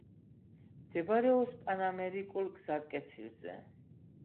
მდებარეობს პანამერიკულ გზატკეცილზე.